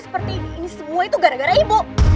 pertaining to gal paso